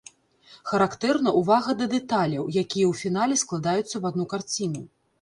Характэрна ўвага да дэталяў, якія ў фінале складаюцца ў адну карціну.